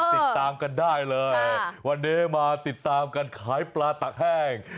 ติดตามกันได้เลยวันนี้มาติดตามการขายปลาตักแห้ง